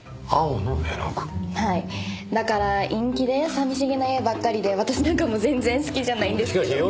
だから陰気で寂しげな絵ばっかりで私なんかはもう全然好きじゃないんですけど。